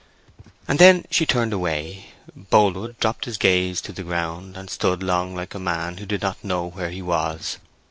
And then she turned away. Boldwood dropped his gaze to the ground, and stood long like a man who did not know where he was.